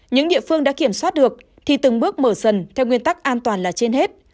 những địa phương đã kiểm soát được thì từng bước mở dần theo nguyên tắc an toàn là trên hết